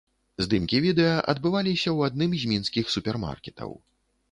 Здымкі відэа адбываліся ў адным з мінскіх супермаркетаў.